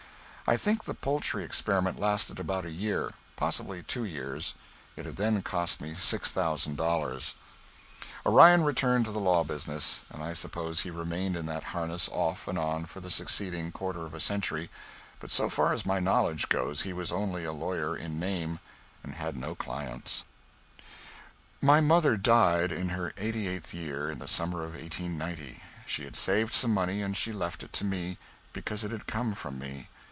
I think the poultry experiment lasted about a year, possibly two years. It had then cost me six thousand dollars. Orion returned to the law business, and I suppose he remained in that harness off and on for the succeeding quarter of a century, but so far as my knowledge goes he was only a lawyer in name, and had no clients. [Sidenote: (1890.)] My mother died, in her eighty eighth year, in the summer of 1890. She had saved some money, and she left it to me, because it had come from me.